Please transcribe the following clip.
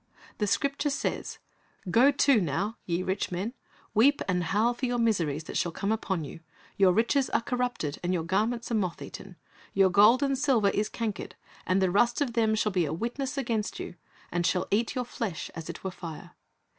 The Scripture says, "Go to now, ye rich men, weep and howl for your miseries that shall come upon you. Your riches are corrupted, and your garments are motheaten. Your gold and silver is cankered; and the rust of them shall be a witness against you, and shall eat your flesh as it were fire.